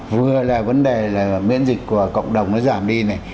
vừa là vấn đề là miễn dịch của cộng đồng nó giảm đi này